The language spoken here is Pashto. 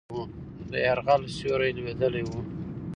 د یرغل سیوری لوېدلی وو.